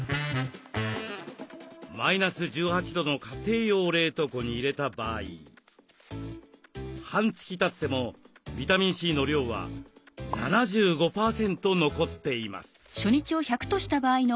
マイナス１８度の家庭用冷凍庫に入れた場合半月たってもビタミンＣの量は７５％残っています。